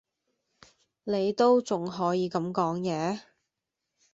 你都仲可以咁講野?